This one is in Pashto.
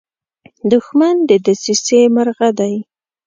دښمن د دسیسې مرغه دی